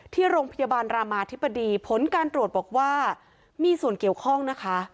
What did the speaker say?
ที่โรงพยาบาลรามาธิบดีผลการตรวจบอกว่ามีส่วนเกี่ยวข้องนะคะ